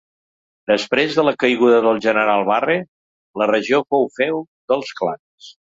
Després de la caiguda del general Barre, la regió fou feu dels clans.